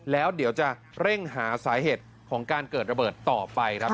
แล้วเดี๋ยวจะเร่งหาสาเหตุของการเกิดระเบิดต่อไปครับ